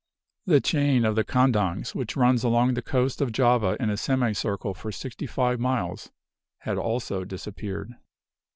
"The chain of the Kandangs, which runs along the coast of Java in a semi circle for sixty five miles, had also disappeared.